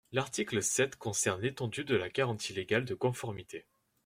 L’article sept concerne l’étendue de la garantie légale de conformité.